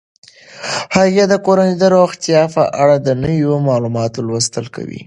هغې د کورنۍ د روغتیا په اړه د نویو معلوماتو لوستل کوي.